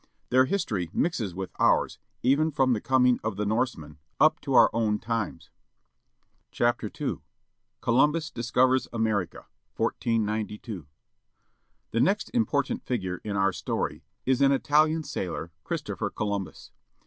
Their history mixes with ours even from the coming of the Norsemen up to our own , If times. AMERICAN NATIVES. THE REDSKINS COLUMBUS DISCOVERS AMERICA, 1492 HE next important figure in our story is an Italian sailor, Christopher Columbus.